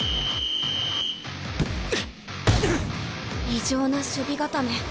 異常な守備固め。